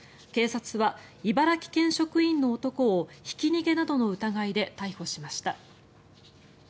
警察は茨城県職員の男をひき逃げなどの疑いで逮捕しました。